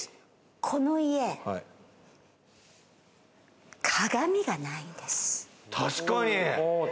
この家、鏡がないんです。